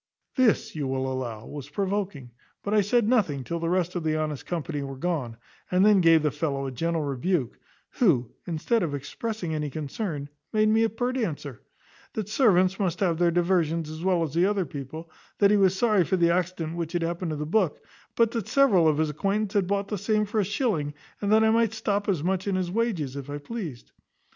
This, you will allow, was provoking; but I said nothing till the rest of the honest company were gone, and then gave the fellow a gentle rebuke, who, instead of expressing any concern, made me a pert answer, `That servants must have their diversions as well as other people; that he was sorry for the accident which had happened to the book, but that several of his acquaintance had bought the same for a shilling, and that I might stop as much in his wages, if I pleased.'